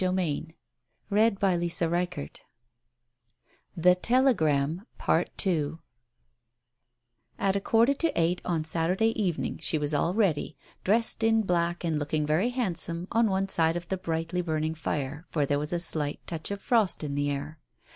Digitized by Google THE TELEGRAM 17 At a quarter to eight on Saturday evening she was all ready, dressed in black and looking very handsome, on one side of the brightly burning fire, for there was a slight touch of frost in the air.